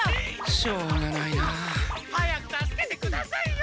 しょうがないな。早く助けてくださいよ！